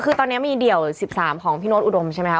คือตอนนี้มีเดี่ยว๑๓ของพี่โน๊ตอุดมใช่ไหมคะ